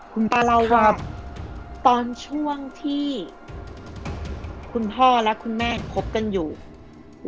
คุณตาเล่าว่าตอนช่วงที่คุณพ่อและคุณแม่คบกันอยู่